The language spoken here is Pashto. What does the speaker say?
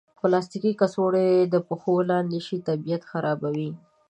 پلاستيکي کڅوړې د پښو لاندې شي، طبیعت خرابوي.